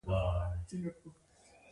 د دوړو د حساسیت لپاره ماسک وکاروئ